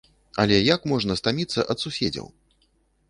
Але як можна стаміцца ад суседзяў?